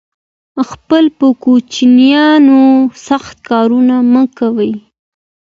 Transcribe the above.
خپل په کوچینیانو سخت کارونه مه کوی